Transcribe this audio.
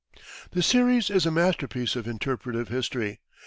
The series is a masterpiece of interpretative history.